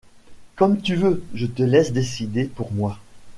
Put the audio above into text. Comme tu veux, je te laisse décider pour moi.